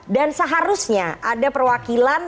dan seharusnya ada perwakilan